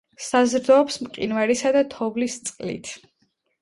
საზრდოობს მყინვარისა და თოვლის წყლით.